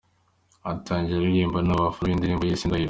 Atangiye aririmbana n’abafana be indirimbo yise ‘Indahiro’.